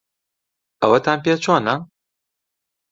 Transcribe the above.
ئەوەتان پێ چۆنە؟